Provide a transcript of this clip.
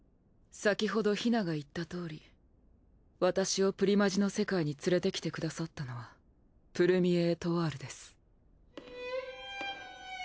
先ほどひなが言ったとおり私をプリマジの世界に連れてきてくださったのはプルミエエトワールです。